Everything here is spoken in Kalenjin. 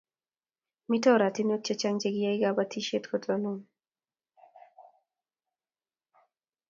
Mito oratinwek chechang che kiyae kabatiset kotonon